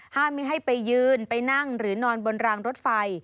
ไม่ให้ไปยืนไปนั่งหรือนอนบนรางรถไฟ